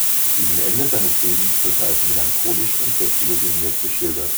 Gegen Ende seines Lebens wird er als melancholisch und desillusioniert geschildert.